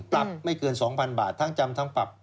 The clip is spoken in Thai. ปรับไม่เกิน๒๐๐๐บาททั้งจำทั้งปรับ